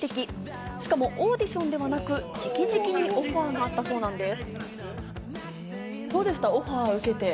しかもオーディションではなく直々にオファーがあったそうなんです。